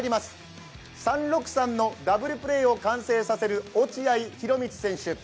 ３−６−３のダブルプレーを完成させる落合博満選手。